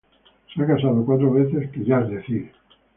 Se ha casado cuatro veces, que ya es decir.